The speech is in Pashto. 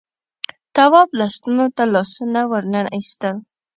تواب لستونو ته لاسونه وننه ایستل.